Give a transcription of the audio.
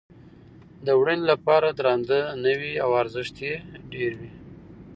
د وړنې لپاره درانده نه وي او ارزښت یې ډېر وي.